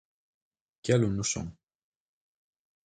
¿Que alumnos son?